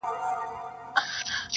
• چي شال يې لوند سي د شړۍ مهتاجه سينه.